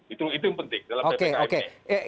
itu yang penting dalam ppkm ini